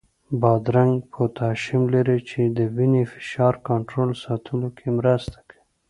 بادرنګ پوتاشیم لري، چې د وینې فشار کنټرول ساتلو کې مرسته کوي.